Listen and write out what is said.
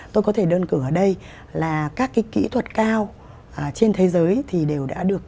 tôi có thể đơn cử ở đây là các cái kỹ thuật cao trên thế giới thì đều đã được